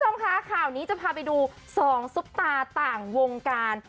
คุณผู้ชมคะข่าวนี้จะพาไปดู๒ซุปตาต่างวงการ